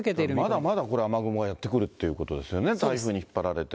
まだまだこれ、雨雲がやって来るということですよね、台風に引っ張られて。